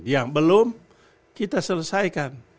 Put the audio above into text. yang belum kita selesaikan